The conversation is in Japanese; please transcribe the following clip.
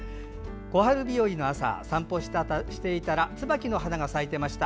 小春日和の朝、散歩していたらつばきの花が咲いていました。